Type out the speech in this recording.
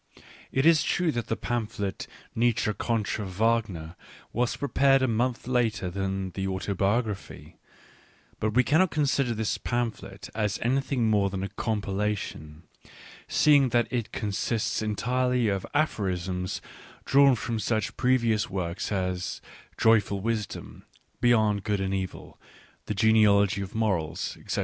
It is true that the pamphlet Nietzsche contra Wagner was prepared a month later than the Auto biography ; but we cannot consider this pamphlet as anything more than a compilation, seeing that it con sists entirely of aphorisms drawn from such previous works as Joyful Wisdom, Beyond Good and Evil, The Genealogy of Morals, etc.